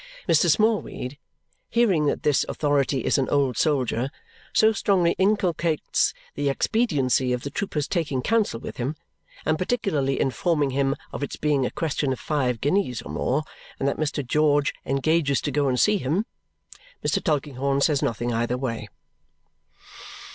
Mr. Smallweed, hearing that this authority is an old soldier, so strongly inculcates the expediency of the trooper's taking counsel with him, and particularly informing him of its being a question of five guineas or more, that Mr. George engages to go and see him. Mr. Tulkinghorn says nothing either way.